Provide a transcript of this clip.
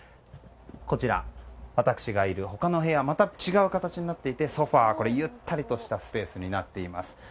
こちら、私がいる他の部屋はまた違う形になっていてソファ、ゆったりとしたスペースになっています。